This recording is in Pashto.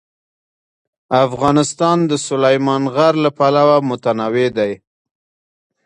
افغانستان د سلیمان غر له پلوه متنوع دی.